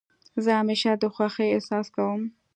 زه همېشه د خوښۍ احساس کوم.